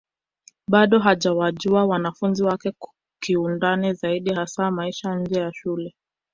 Bado hajawajua wanafunzi wake kiundani zaidi hasa maisha nje ya shule